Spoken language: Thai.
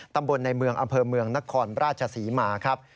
ตำบลในเมืองอำเภอเมืองนครราชศรีมาครับ